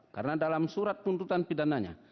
karena dalam surat tuntutan pidananya